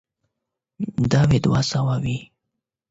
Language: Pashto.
دا به دوه سوه وي.